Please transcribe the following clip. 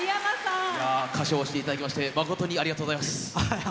歌唱していただきまして誠にありがとうございます。